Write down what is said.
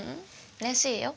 うれしいよ。